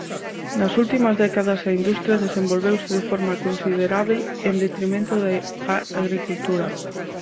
Nas últimas décadas a industria desenvolveuse de forma considerábel en detrimento de a agricultura.